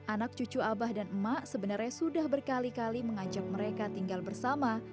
anak cucu abah dan emak sebenarnya sudah berkali kali mengajak mereka tinggal bersama